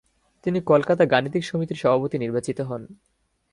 তিনি কলকাতা গাণিতিক সমিতির সভাপতি নির্বাচিত হন।